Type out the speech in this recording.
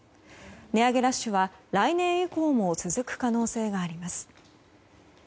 値上げラッシュは来年以降も続く可能性があります。